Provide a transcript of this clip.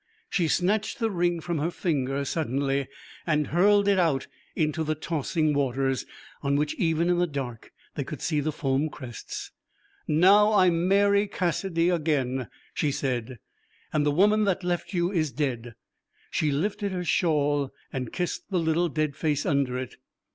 She snatched the ring from her finger suddenly and hurled it out in the tossing waters, on which even in the dark they could see the foam crests. 'Now I'm Mary Cassidy again,' she said, 'and the woman that left you is dead.' She lifted her shawl and kissed the little dead face under it.